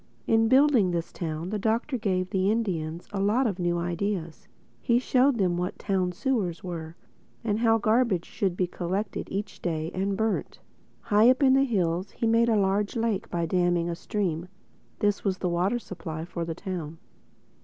In building this town the Doctor gave the Indians a lot of new ideas. He showed them what town sewers were, and how garbage should be collected each day and burnt. High up in the hills he made a large lake by damming a stream. This was the water supply for the town.